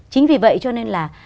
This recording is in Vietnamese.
chính vì vậy cho nên là